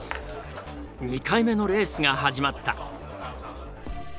２回目のレースが始まった。